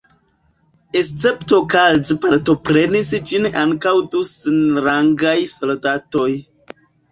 Esceptokaze partoprenis ĝin ankaǔ du senrangaj soldatoj.